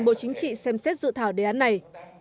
bộ chính trị xem xét dự thảo đề án này